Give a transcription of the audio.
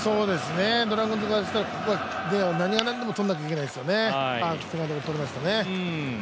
ドラゴンズ側からしたらここは何が何でもとらないといけないですねとりましたね。